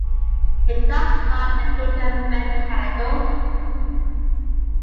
It does not appear to affect cattle.